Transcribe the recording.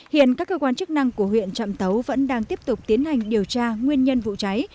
hiện các cơ quan chức năng của huyện trạm tấu vẫn đang tiếp tục tiến hành điều tra nguyên nhân vụ cháy